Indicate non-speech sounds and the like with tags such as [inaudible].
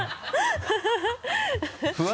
ハハハ [laughs]